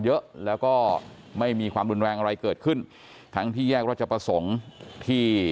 เยอะแล้วก็ไม่มีความรุนแรงอะไรเกิดขึ้นทั้งที่แยกราชประสงค์ที่